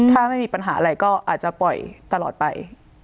ถ้าไม่มีปัญหาอะไรก็อาจจะปล่อยตลอดไป